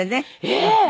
ええ。